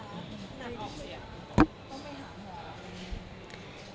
ต้องไปหาหมอหรือไง